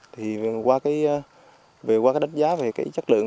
thì qua cái đánh giá về cái chất lượng